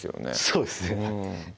そうですね